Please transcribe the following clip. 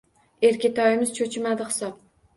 Erkatoyimiz cho`chimadi hisob